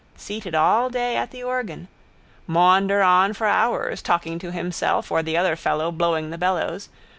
Seated all day at the organ. Maunder on for hours, talking to himself or the other fellow blowing the bellows.